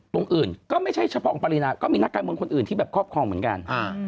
ตรงอื่นก็ไม่ใช่เฉพาะของปรินาก็มีนักการเมืองคนอื่นที่แบบครอบครองเหมือนกัน